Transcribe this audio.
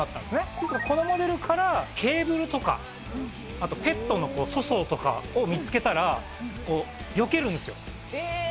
ですが、このモデルから、ケーブルとか、あとペットの粗相とかを見つけたら、よけるんですよ。